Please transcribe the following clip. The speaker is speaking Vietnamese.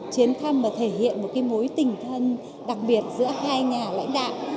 chuyến thăm và thể hiện một mối tình thân đặc biệt giữa hai nhà lãnh đạo